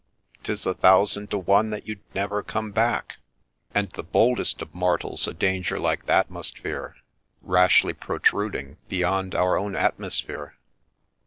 'Tis a thousand to one that you'd never come back ; And the boldest of mortals a danger like that must fear, Rashly protruding beyond our own atmosphere.